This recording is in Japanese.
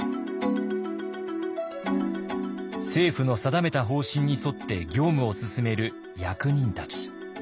政府の定めた方針に沿って業務を進める役人たち。